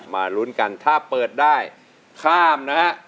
มาลุ้นกันถ้าเปิดได้ข้ามนะครับ